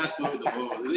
jadi aku itu